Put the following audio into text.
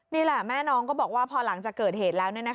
นี่แหละแม่น้องก็บอกว่าพอหลังจากเกิดเหตุแล้ว